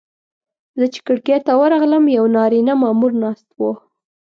زه چې کړکۍ ته ورغلم یو نارینه مامور ناست و.